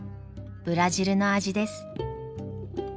ブラジルの味です。